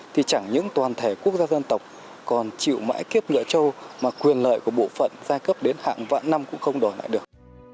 thì chẳng những toàn thể quốc gia dân tộc còn chịu mãi kiếp lựa châu mà quyền lợi của bộ phận giai cấp đến hàng vạn năm cũng không đòi lại được